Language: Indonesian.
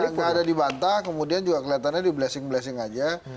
nggak ada dibantah kemudian juga kelihatannya di blessing blessing aja